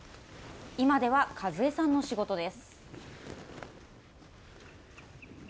今では和江さんの仕事です。